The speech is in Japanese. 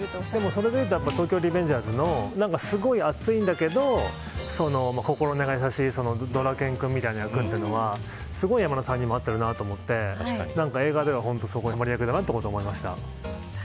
それでいうと東京リベンジャーズのすごい熱いんだけど心根が優しいドラケン君みたいな役というのは山田さんにも合ってるなと思って映画では、すごいはまり役だなと思いました。